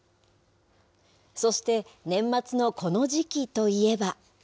そして、年末のこの時期といえば。